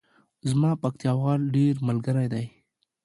زما پکتیاوال ډیر ملګری دی